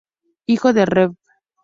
Hijo del Rev.